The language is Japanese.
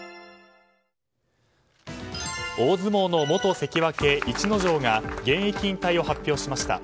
大相撲の元関脇・逸ノ城が現役引退を発表しました。